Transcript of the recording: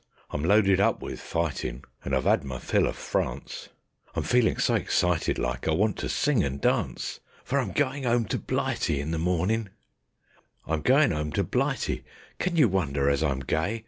I'm loaded up wiv fightin', and I've 'ad my fill o' France; I'm feelin' so excited like, I want to sing and dance, For I'm goin' 'ome to Blighty in the mawnin'. I'm goin' 'ome to Blighty: can you wonder as I'm gay?